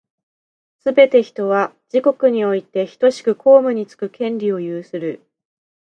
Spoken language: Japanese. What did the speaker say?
すべて人は、自国においてひとしく公務につく権利を有する。